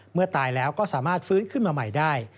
ตายแล้วก็สามารถฟื้นขึ้นมาใหม่ได้